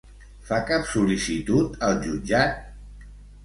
Fa cap sol·licitud al jutjat?